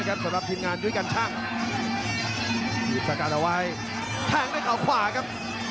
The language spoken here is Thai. แกบู๊ดจริงครับ